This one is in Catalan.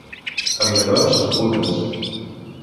A Vinaròs, topudes.